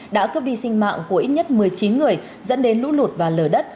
đã cướp đi sinh mạng của ít nhất một mươi chín người dẫn đến lũ lụt và lở đất